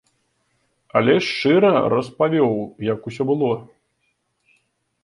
Але шчыра распавёў, як усё было.